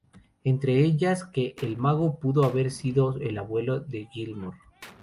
Entre ellas, que el mago pudo haber sido el abuelo de Gilmore.